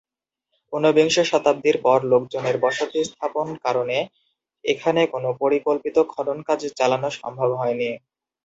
ঊনবিংশ শতাব্দীর পর লোকজনের বসতি স্থাপন কারণে এখানে কোন পরিকল্পিত খনন কাজ চালানো সম্ভব হয়নি।